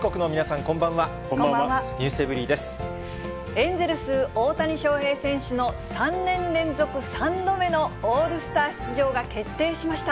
エンゼルス、大谷翔平選手の３年連続３度目のオールスター出場が決定しました。